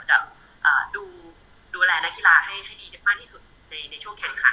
แล้วก็เดี๋ยวจะดูแลนักกีฬาให้ดีมากที่สุดในช่วงแข่งขัน